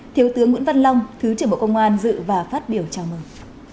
thiếu tướng nguyễn văn long thứ trưởng bộ công an dự và phát biểu chào mừng